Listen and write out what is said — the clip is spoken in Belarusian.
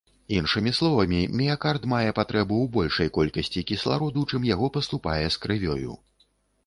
Іншымі словамі, міякард мае патрэбу ў большай колькасці кіслароду, чым яго паступае з крывёю.